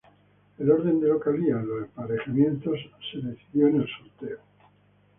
El orden de localía en los emparejamientos se decidió en el sorteo.